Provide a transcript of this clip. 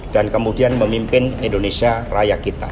dan kemudian memimpin indonesia raya kita